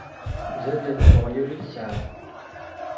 D allen n weɣyul i tesɛa.